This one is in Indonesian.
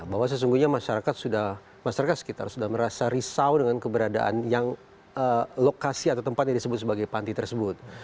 bahwa sesungguhnya masyarakat sudah masyarakat sekitar sudah merasa risau dengan keberadaan yang lokasi atau tempat yang disebut sebagai panti tersebut